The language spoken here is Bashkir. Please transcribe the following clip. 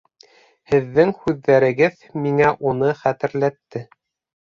Һеҙҙең һүҙҙәрегеҙ миңә уны хәтерләтте